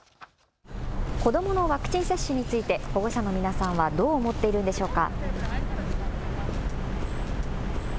子どものワクチン接種について保護者の皆さんはどう思っているんでしょうか。